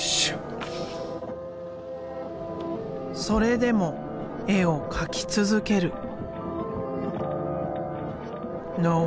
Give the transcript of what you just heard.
それでも絵を描き続ける。